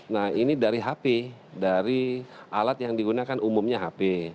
nah ini dari hp dari alat yang digunakan umumnya hp